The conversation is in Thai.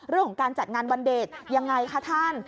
เรื่องของการจัดงานวันเด็กยังไงคะท่าน